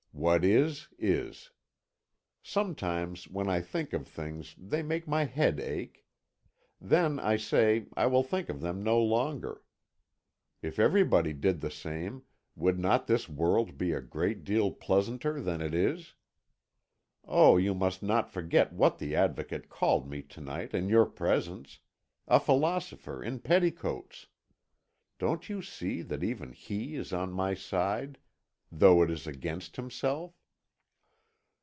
What is, is. Sometimes when I think of things they make my head ache. Then I say, I will think of them no longer. If everybody did the same, would not this world be a great deal pleasanter than it is? Oh, you must not forget what the Advocate called me to night in your presence a philosopher in petticoats. Don't you see that even he is on my side, though it is against himself?